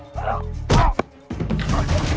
เป็นอะไรสิ